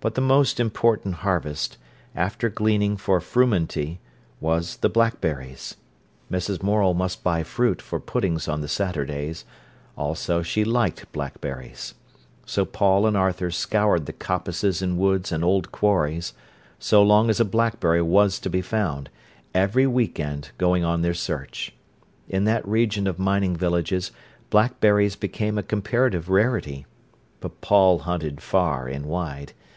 But the most important harvest, after gleaning for frumenty, was the blackberries. Mrs. Morel must buy fruit for puddings on the Saturdays; also she liked blackberries. So Paul and Arthur scoured the coppices and woods and old quarries, so long as a blackberry was to be found, every week end going on their search. In that region of mining villages blackberries became a comparative rarity. But Paul hunted far and wide.